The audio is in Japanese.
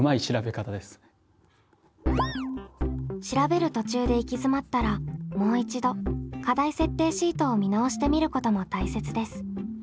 調べる途中で行き詰まったらもう一度課題設定シートを見直してみることも大切です。